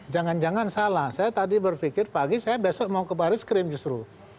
jangan jangan salah saya tadi berpikir pagi saya besok mau ke baris krim justru